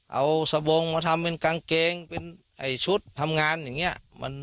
เอาสบงมาทำเป็นกางเกงเป็นชุดทำงานอย่างนี้